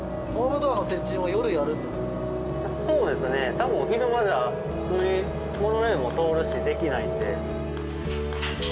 多分昼間じゃ普通にモノレールも通るしできないんで。